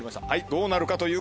どうなるか